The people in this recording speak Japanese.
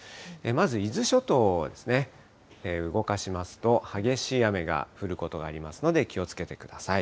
まず伊豆諸島ですね、動かしますと、激しい雨が降ることがありますので、気をつけてください。